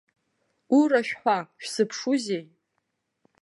Ура шәҳәа, шәзыԥшузеи?!